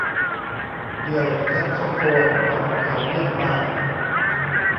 เดี่ยวแซกโซโฟนของเขาเยี่ยมมาก